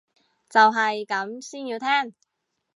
就係咁先要聽